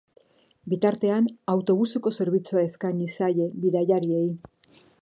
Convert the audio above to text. Bitartean, autobuseko zerbitzua eskaini zaie bidaiariei.